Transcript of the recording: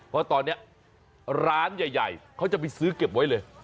เพราะตอนนี้ร้านใหญ่เขาจะไปซื้อเก็บไว้เลย